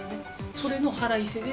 それの腹いせで、